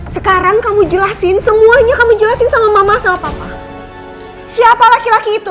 sekarang kamu jelasin semuanya kamu jelasin sama mama sama papa siapa laki laki itu